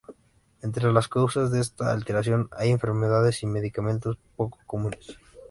Entre las causas de esta alteración hay enfermedades y medicamentos poco comunes.